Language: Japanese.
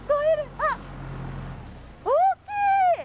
あっ大きい！